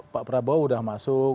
pak prabowo sudah masuk